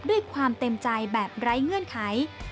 ด้วยความเต็มใจแบบไร้เงื่อนไข